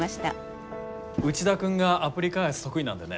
内田君がアプリ開発得意なんでね。